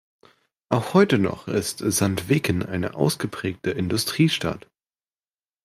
Auch heute noch ist Sandviken eine ausgeprägte Industriestadt.